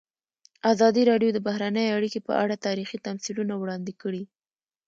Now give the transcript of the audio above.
ازادي راډیو د بهرنۍ اړیکې په اړه تاریخي تمثیلونه وړاندې کړي.